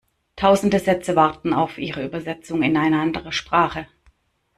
Tausende Sätze warten auf ihre Übersetzung in eine andere Sprache.